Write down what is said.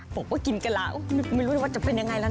บอกว่ากินกะลาไม่รู้ว่าจะเป็นยังไงแล้วนะ